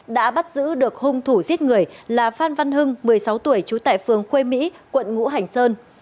đã bắt giữ được hung thủ giết người là phan văn hưng một mươi sáu tuổi trú tại phường khuê mỹ quận ngũ hành sơn